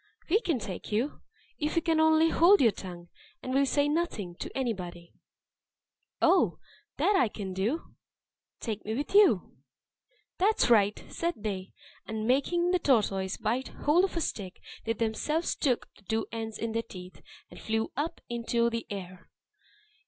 "We can take you, if you can only hold your tongue, and will say nothing to anybody." "Oh! that I can do. Take me with you." "That's right," said they. And making the tortoise bite hold of a stick, they themselves took the two ends in their teeth, and flew up into the air.